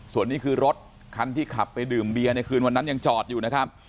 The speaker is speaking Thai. ส่วนนี้คือรถคันที่ขับไปดื่มเบียร์ในคืนวันนั้นยังจอดอยู่นะครับ